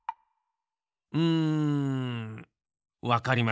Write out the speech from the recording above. うんわかりました。